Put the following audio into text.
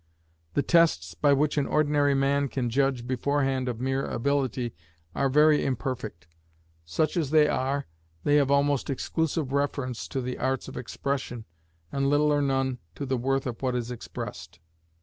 The tests by which an ordinary man can judge beforehand of mere ability are very imperfect; such as they are, they have almost exclusive reference to the arts of expression, and little or none to the worth of what is expressed.